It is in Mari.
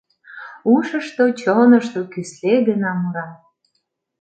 Ушышто, чонышто кӱсле гына мура.